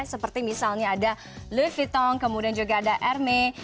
seperti misalnya ada louis vuitton kemudian juga ada hermes